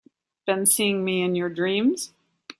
Been seeing me in your dreams?